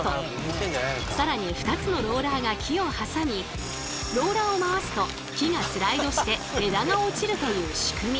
更に２つのローラーが木を挟みローラーを回すと木がスライドして枝が落ちるという仕組み。